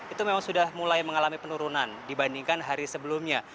itu memang sudah mulai mengalami penurunan dibandingkan hari sebelumnya